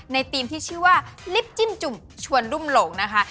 ทีมที่ชื่อว่าลิฟต์จิ้มจุ่มชวนรุ่มหลงนะคะ